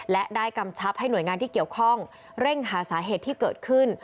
และได้กำชับให้หน่วยงานที่เกี่ยวข้องเร่งหาสาเหตุที่เกิดขึ้น